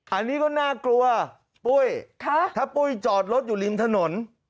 อันนี้ก็น่ากลัวปุ้ยถ้าปุ้ยจอดรถอยู่ริมถนน